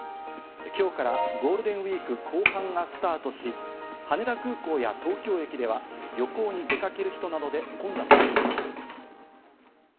今日からゴールデンウイーク後半がスタートし、羽田空港や東京駅では旅行に出かける人などで混雑しています。